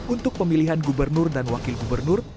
untuk pemilihan gubernur dan wakil gubernur